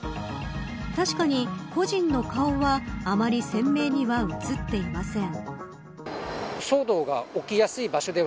確かに、個人の顔はあまり鮮明には映っていません。